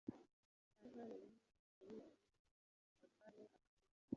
cya Yohanani mwene Eliyashibu Abatware Abalewi